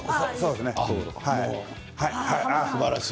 すばらしい。